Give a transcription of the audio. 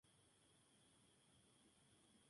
Hijo de Juan de Amasa.